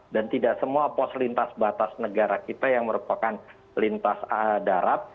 dan tidak semua pos lintas batas negara kita yang merupakan lintas darat